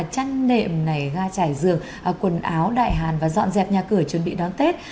chăn nệm này ra trải rường quần áo đại hàn và dọn dẹp nhà cửa chuẩn bị đón tết